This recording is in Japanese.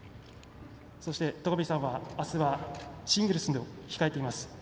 そして、戸上さんはあすはシングルスも控えています。